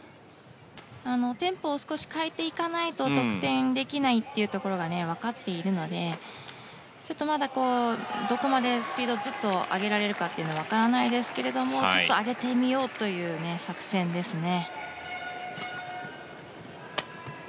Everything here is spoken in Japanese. テンポを少し変えていかないと得点できないというところが分かっているのでちょっとまだどこまでスピードを上げられるか分からないですけれどもちょっと上げてみようという作戦ですね。